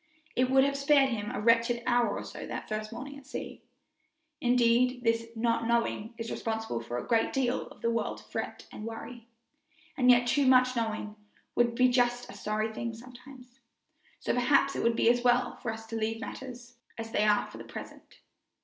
It would have spared him a wretched hour or so that first morning at sea. Indeed, this not knowing is responsible for a great deal of this world's fret and worry, and yet too much knowing would be just as sorry a thing sometimes; so perhaps it would be as well for us to leave matters as they are for the present.